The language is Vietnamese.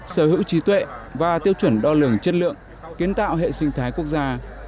sở hữu trí tuệ và tiêu chuẩn đo lường chất lượng kiến tạo hệ sinh thái quốc gia